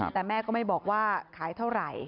แต่แม่ก็ไม่บอกว่าขายเท่าไหร่